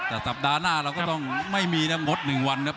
แต่สัปดาห์หน้าเราก็ต้องไม่มีนะงด๑วันนะครับ